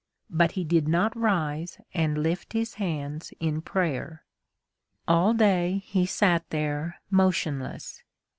But he did not rise and lift his hands in prayer. All day he sat there, motionless.